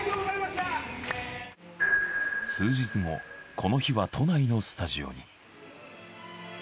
この日は都内のスタジオに。